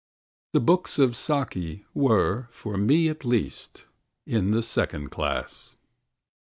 The books of "Saki" were, for me at least, in the second class.